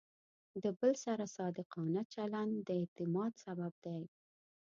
د بل سره صادقانه چلند د اعتماد سبب دی.